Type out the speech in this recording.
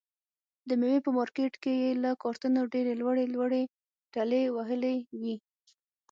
د مېوې په مارکېټ کې یې له کارتنو ډېرې لوړې لوړې ټلې وهلې وي.